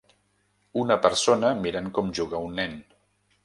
Una persona mirant com juga un nen.